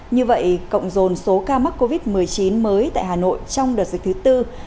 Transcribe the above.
như vậy cộng dồn số ca mắc covid một mươi chín mới tại hà nội trong đợt dịch thứ tư